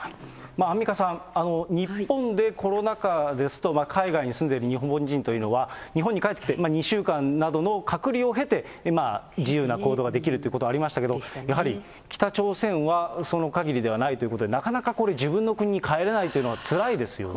アンミカさん、日本でコロナ禍ですと、海外に住んでいる日本人というのは日本に帰ってきて、２週間などの隔離を経て、自由な行動ができるということありましたけど、やはり北朝鮮はその限りではないということで、なかなかこれ、自分の国に帰れないというのはつらいですよね。